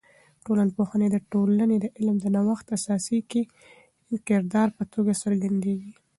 ټولنپوهی د ټولنې د علم د نوښت اساسي کې د کردار په توګه څرګندیږي.